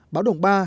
báo động ba